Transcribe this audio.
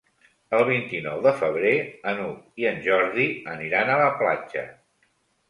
El vint-i-nou de febrer n'Hug i en Jordi aniran a la platja.